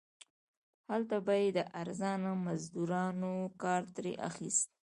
هلته به یې د ارزانه مزدورانو کار ترې اخیست.